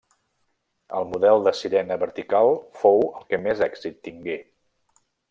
El model de sirena vertical fou el que més èxit tingué.